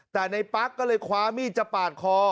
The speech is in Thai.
แต่ในปั๊กก็เลยคว้ามีดจะปาดคอ